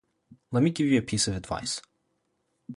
Let me give you a piece of advice.